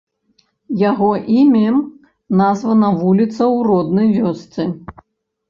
Яго імем названа вуліца ў роднай вёсцы.